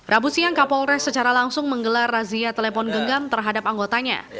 rabu siang kapolres secara langsung menggelar razia telepon genggam terhadap anggotanya